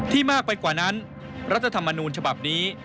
มากไปกว่านั้นรัฐธรรมนูญฉบับนี้